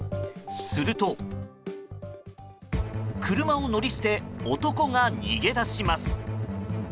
すると、車を乗り捨て男が逃げ出します。